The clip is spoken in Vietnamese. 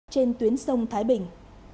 trên tuyến sông thái bình